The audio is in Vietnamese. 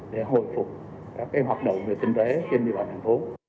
để hồi phục các cái hoạt động về tinh tế trên địa bàn thành phố